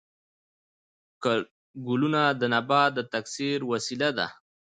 ګلونه د نبات د تکثیر وسیله ده